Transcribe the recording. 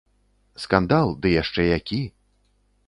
Скандал, ды яшчэ які.